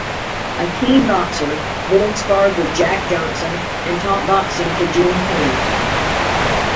A keen boxer, Biddle sparred with Jack Johnson and taught boxing to Gene Tunney.